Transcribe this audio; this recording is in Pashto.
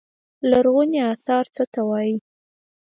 لرغوني اثار څه ته وايي.